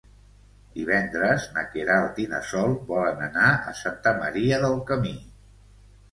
Divendres na Queralt i na Sol volen anar a Santa Maria del Camí.